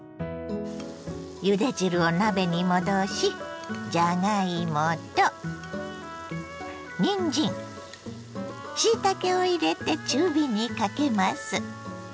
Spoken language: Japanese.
ゆで汁を鍋に戻しじゃがいもとにんじんしいたけを入れて中火にかけます。